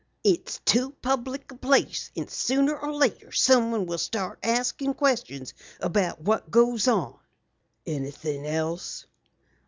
"It's too public a place, and sooner or later someone will start asking questions about what goes on." "Anything else?"